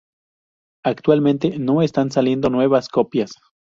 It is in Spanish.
Actualmente no están saliendo nuevas copias.